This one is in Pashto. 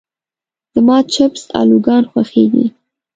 زما چپس الوګان خوښيږي.